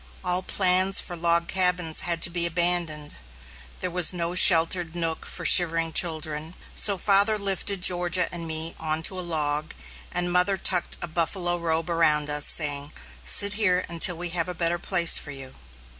All plans for log cabins had to be abandoned. There was no sheltered nook for shivering children, so father lifted Georgia and me on to a log, and mother tucked a buffalo robe around us, saying, "Sit here until we have a better place for you."